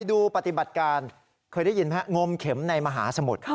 ดูปฏิบัติการเคยได้ยินไหมฮะงมเข็มในมหาสมุทร